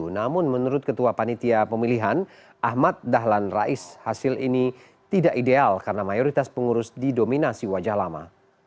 namun menurut ketua panitia pemilihan ahmad dahlan rais hasil ini tidak ideal karena mayoritas pengurus didominasi wajah lama